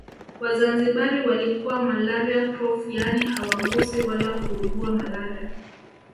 Wazanzibari walikuwa malaria proof yaani hawaguswi wala kuugua malaria